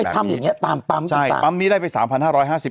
ก็คือไปทำอย่างเงี้ยตามปั๊มใช่ปั๊มนี้ได้ไปสามพันห้าร้อยห้าสิบ